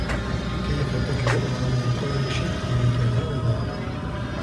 كيف تجرء على قول شيءٍ كهذا؟